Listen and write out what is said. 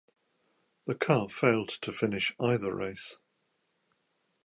The car failed to finish either race.